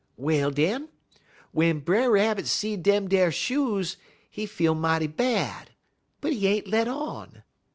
"Well, den, w'en Brer Rabbit see dem ar shoes he feel mighty bad, but he ain't let on.